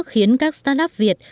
khiến các start up việt